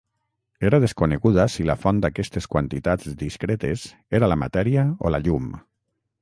Era desconeguda si la font d'aquestes quantitats discretes era la matèria o la llum.